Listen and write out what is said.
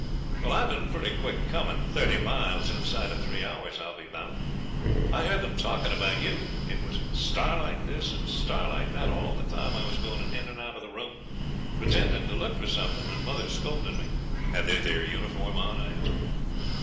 'Well, I've been pretty quick coming; thirty mile inside of three hours, I'll be bound. I heard them talking about you. It was Starlight this and Starlight that all the time I was going in and out of the room, pretending to look for something, and mother scolding me.' 'Had they their uniform on?' I asked.